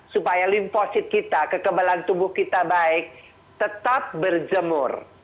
supaya limfosit kita kekebalan tubuh kita baik tetap berjemur